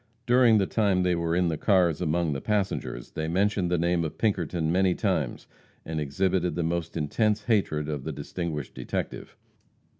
During the time they were in the cars among the passengers, they mentioned the name of Pinkerton many times, and exhibited the most intense hatred of the distinguished detective.